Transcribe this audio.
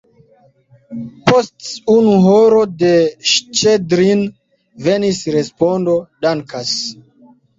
Post unu horo de Ŝĉedrin venis respondo: « Dankas!"